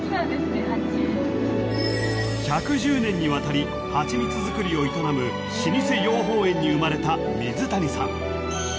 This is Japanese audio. ［１１０年にわたりハチミツ作りを営む老舗養蜂園に生まれた水谷さん］